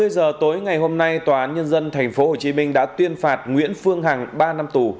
hai mươi giờ tối ngày hôm nay tòa án nhân dân tp hcm đã tuyên phạt nguyễn phương hằng ba năm tù